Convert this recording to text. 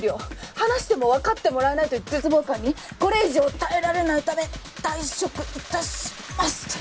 話しても分かってもらえないという絶望感にこれ以上耐えられないため退職いたします」と。